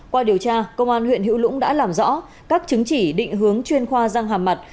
qua điều tra công an huyện hữu lũng đã làm rõ các chứng chỉ định hướng chuyên khoa răng hàm mặt